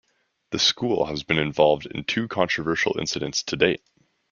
The school has been involved in two controversial incidents to date.